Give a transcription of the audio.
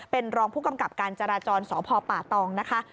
เป็นรองผู้กำกับการจราจรสพป่าตองนะคะ